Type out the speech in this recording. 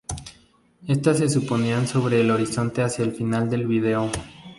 Estas se superponían sobre el horizonte hacia el final del vídeo.